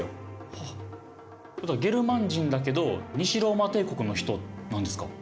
ゲルマン人だけど西ローマ帝国の人なんですか？